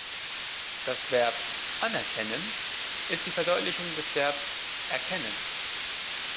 Das Verb „anerkennen“ ist die Verdeutlichung des Verbs „erkennen“.